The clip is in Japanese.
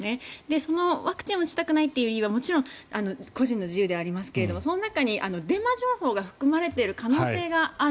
そのワクチンを打ちたくない理由は個人の自由ではありますがその中にデマ情報が含まれている可能性がある。